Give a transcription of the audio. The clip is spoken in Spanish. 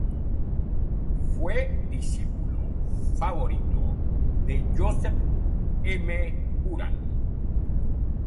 Fue discípulo favorito de Joseph M. Juran.